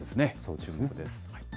注目です。